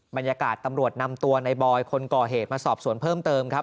บรรยากาศตำรวจนำตัวในบอยคนก่อเหตุมาสอบสวนเพิ่มเติมครับ